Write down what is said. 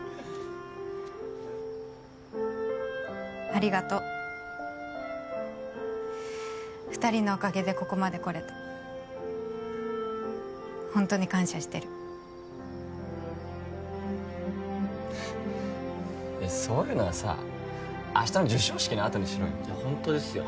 ありがとう二人のおかげでここまでこれたホントに感謝してるいやそういうのはさ明日の授賞式のあとにしろよいやホントですよ